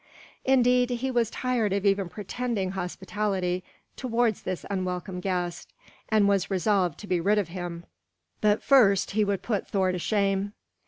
Indeed, he was tired of even pretending hospitality towards this unwelcome guest, and was resolved to be rid of him; but first he would put Thor to shame.